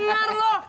cengar cengar lu